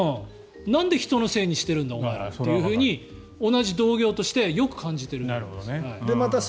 なんで人のせいにしてるんだって同じ同業としてよく感じています。